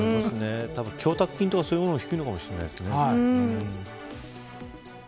供託金とかそういうものも低いのかもしれませんね。